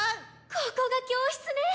ここが教室ね。